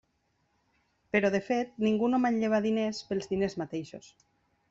Però, de fet, ningú no manlleva diners pels diners mateixos.